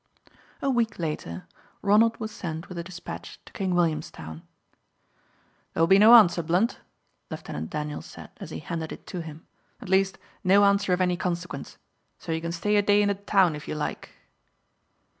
A week later, Ronald was sent with a despatch to King Williamstown. "There will be no answer, Blunt," Lieutenant Daniels said, as he handed it to him; "at least, no answer of any consequence. So you can stay a day in the town if you like."